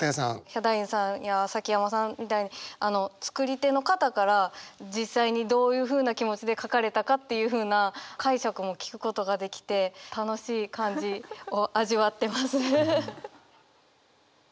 ヒャダインさんや崎山さんみたいに作り手の方から実際にどういうふうな気持ちで書かれたかっていうふうな解釈も聞くことができて楽しい感じを味わってます。